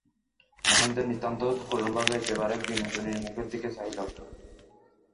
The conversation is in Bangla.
মহেন্দ্র নিতান্ত করুণভাবে একবার বিনোদিনীর মুখের দিকে চাহিল।